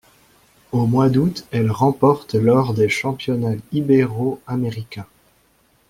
Au mois d'août elle remporte l'or des championnats ibéro-américains.